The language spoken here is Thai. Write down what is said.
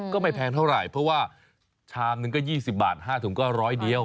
ก็ไม่แพงเท่าไหร่เพราะว่าชามหนึ่งก็๒๐บาท๕ถุงก็ร้อยเดียว